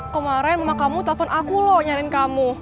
kamu dari date selesainya aja